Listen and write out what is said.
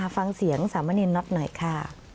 ฟังเสียงสามเณรน็อตหน่อยค่ะ